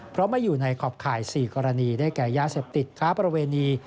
เพราะไม่อยู่ในขอบข่าย๔กรณีได้แก่ยาเสพติดค้าประเวณี